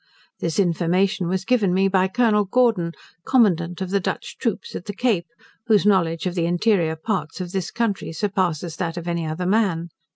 This information was given me by Colonel Gordon, commandant of the Dutch troops at the Cape, whose knowledge of the interior parts of this country surpasses that of any other man.